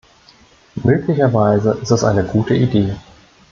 Möglicherweise ist es eine gute Idee.